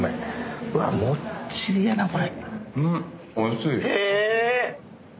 うわっもっちりやなこれ。